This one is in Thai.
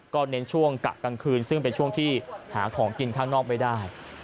ก็เน้นช่วงกะกลางคืนซึ่งเป็นช่วงที่หาของกินข้างนอกไม่ได้